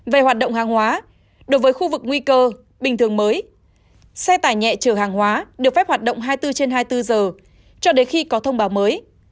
về hoạt động hàng hóa đối với khu vực nguy cơ bình thường mới xe tải nhẹ chở hàng hóa được phép hoạt động hai mươi bốn trên hai mươi bốn giờ cho đến khi có thông báo mới